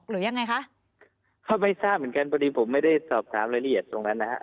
หรือยังไงคะเขาไม่ทราบเหมือนกันพอดีผมไม่ได้สอบถามรายละเอียดตรงนั้นนะฮะ